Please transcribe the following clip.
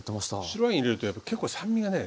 白ワイン入れるとやっぱ結構酸味がね